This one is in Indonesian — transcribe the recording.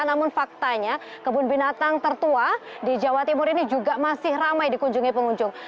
namun faktanya kebun binatang tertua di jawa timur ini juga masih ramai dikunjungi pengunjung